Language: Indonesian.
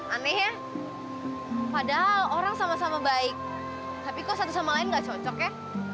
aneh ya padahal orang sama sama baik tapi kok satu sama lain gak cocok ya